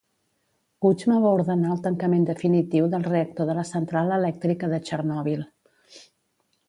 Kuchma va ordenar el tancament definitiu del reactor de la central elèctrica de Txernòbil.